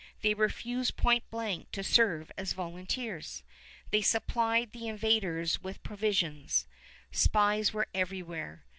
They refused point blank to serve as volunteers. They supplied the invaders with provisions. Spies were everywhere.